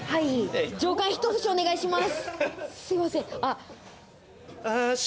上官、一節お願いします。